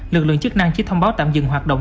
lực lượng chức năng chỉ thông báo tạm dừng hoạt động